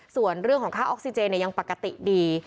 ส่วนเรื่องของค่าออกซิเจนยังปกติดี